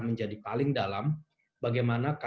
menjadi paling dalam bagaimana